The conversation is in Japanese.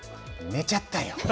寝ちゃったよ。